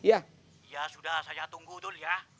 ya sudah saya tunggu dulu ya